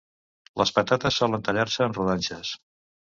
Les patates solen tallar-se en rodanxes.